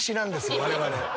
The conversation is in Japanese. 我々。